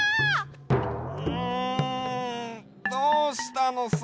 うんどうしたのさ？